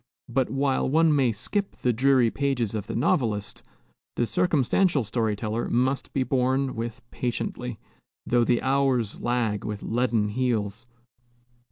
But while one may skip the dreary pages of the novelist, the circumstantial story teller must be borne with patiently, though the hours lag with leaden heels.